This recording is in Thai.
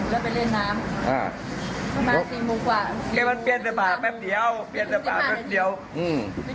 เดินตัวจันทร์บอกว่าตังค์จมน้ำก็เลยวิ่งไปดู